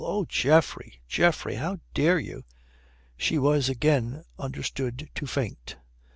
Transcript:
Oh, Geoffrey, Geoffrey! How dare you?" She was again understood to faint.